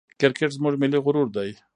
کرکټ زموږ ملي غرور دئ.